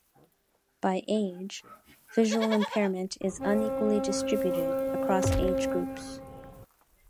By age: Visual impairment is unequally distributed across age groups.